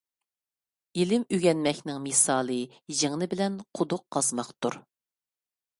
ئىلىم ئۆگەنمەكنىڭ مىسالى يىڭنە بىلەن قۇدۇق قازماقتۇر.